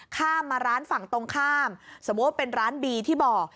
ข้ามมาร้านฝั่งตรงข้ามสมมุติว่าเป็นร้านบีที่บอก